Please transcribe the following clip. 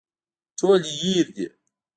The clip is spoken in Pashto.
ټول يې هېر دي.